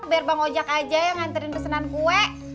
biar bang ojak aja yang ngantriin pesanan gue